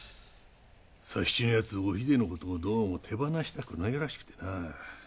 佐七の奴おひでの事をどうも手放したくないらしくてな。